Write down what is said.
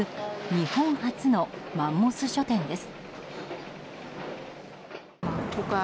日本初のマンモス書店です。